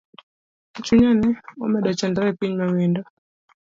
Chunya ne omedo chandore epiny mawendo.